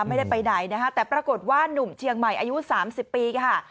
ไม่ได้ไปไหนนะคะแต่ปรากฏว่านุ่มเชียงใหม่อายุ๓๐ปีค่ะ